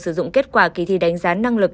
sử dụng kết quả kỳ thi đánh giá năng lực